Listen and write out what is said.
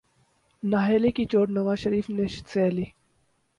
نااہلی کی چوٹ نواز شریف نے سہہ لی۔